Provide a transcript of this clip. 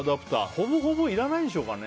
ほぼほぼいらないでしょうかね。